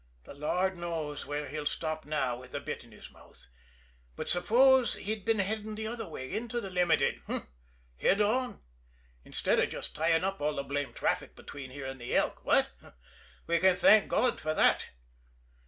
"The Lord knows where he'll stop now with the bit in his teeth, but suppose he'd been heading the other way into the Limited h'm! Head on instead of just tying up all the blamed traffic between here and the Elk what? We can thank God for that!"